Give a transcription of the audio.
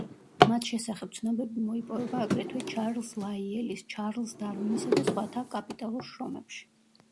მათ შესახებ ცნობები მოიპოვება აგრეთვე ჩარლზ ლაიელის, ჩარლზ დარვინისა და სხვათა კაპიტალურ შრომებში.